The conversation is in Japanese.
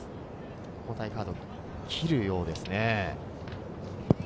交代カードを切るようです。